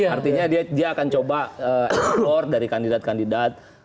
artinya dia akan coba eksplor dari kandidat kandidat